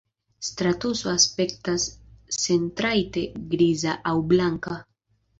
Stratuso aspektas sentrajte griza aŭ blanka.